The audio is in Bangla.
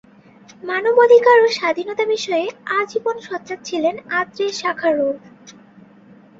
মানব অধিকার ও স্বাধীনতা বিষয়ে আজীবন সোচ্চার ছিলেন আন্দ্রে শাখারভ।